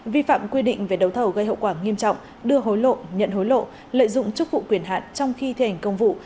vi phạm quy định về đấu thầu gây hậu quả nghiêm trọng đưa hối lộ nhận hối lộ lợi dụng chức vụ quyền hạn trong khi thi hành công vụ